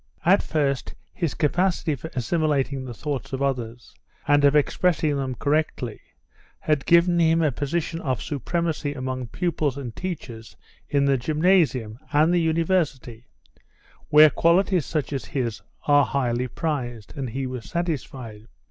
At first his capacity for assimilating the thoughts of others, and of expressing them correctly, had given him a position of supremacy among pupils and teachers in the gymnasium and the university, where qualities such as his are highly prized, and he was satisfied.